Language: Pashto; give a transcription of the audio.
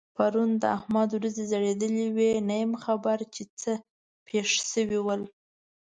پرون د احمد وريځې ځړېدلې وې؛ نه یم خبر چې څه پېښ شوي ول؟